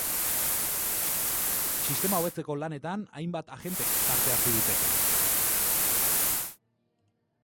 Sistema hobetzeko lanetan hainbat agentek parte hartu dute.